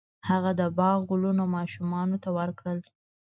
هغه د باغ ګلونه ماشومانو ته ورکړل.